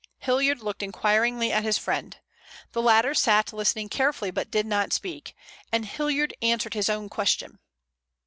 Hilliard looked inquiringly at his friend. The latter sat listening carefully, but did not speak, and Hilliard answered his own question.